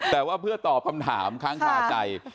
แต่ว่าเพื่อตอบคำถามค้างคาใจ